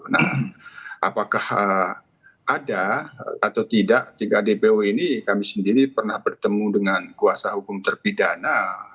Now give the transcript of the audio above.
nah apakah ada atau tidak tiga dpw ini kami sendiri pernah bertemu dengan kuasa hukum terpidana